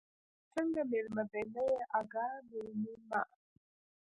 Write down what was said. بیا دا څنگه مېلمه دے، نه يې اگاه، مېلمون مه